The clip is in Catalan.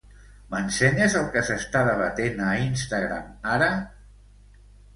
M'ensenyes el que s'està debatent a Instagram ara?